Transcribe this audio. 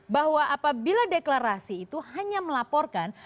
bahwa apabila deklarasi itu hanya melaporkan